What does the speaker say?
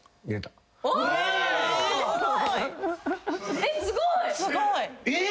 えっすごい！えっ！？